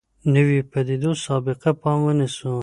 نویو پدیدو سابقه پام ونیسو.